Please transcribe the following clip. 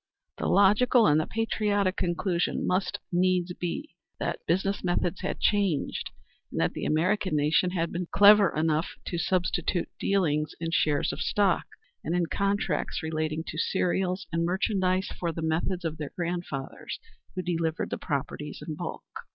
The logical and the patriotic conclusion must needs be that business methods had changed, and that the American nation had been clever enough to substitute dealings in shares of stock, and in contracts relating to cereals and merchandise for the methods of their grandfathers who delivered the properties in bulk.